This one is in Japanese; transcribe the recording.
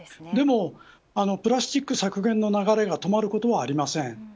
でも、プラスチック削減の流れが止まることはありません。